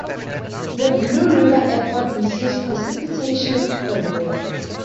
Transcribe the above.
The Blue River Airport receives precipitation per year.